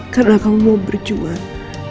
karena kamu mau berjuang